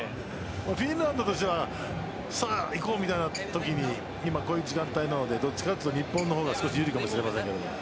フィンランドとしてはさあ、いこうというときにこういう時間帯なのでどっちかというと日本の方が有利かもしれません。